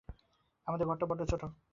আমাদের ঘরটা বড্ড ছোট।